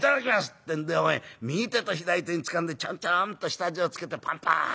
ってんで右手と左手につかんでちょんちょんと下地をつけてパンパーン。